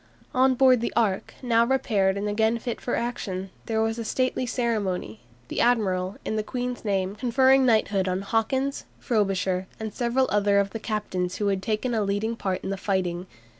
On board the "Ark," now repaired and again fit for action, there was a stately ceremony, the admiral, in the Queen's name, conferring knighthood on Hawkins, Frobisher and several other of the captains who had taken a leading part in the fighting.